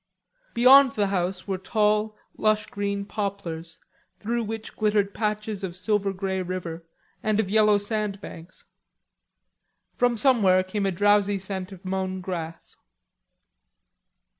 Beyond the house were tall, lush green poplars, through which glittered patches of silver grey river and of yellow sand banks. From somewhere came a drowsy scent of mown grass.